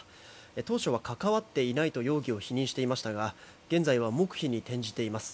当初は関わっていないと容疑を否認していましたが現在は黙秘に転じています。